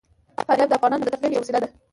فاریاب د افغانانو د تفریح یوه وسیله ده.